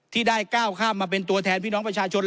ที่ได้ก้าวข้ามมาเป็นตัวแทนพี่น้องประชาชน